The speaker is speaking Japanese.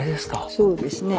そうですね。